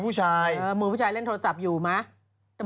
ถือสองอันแล้วก็ถ่ายอย่างงี้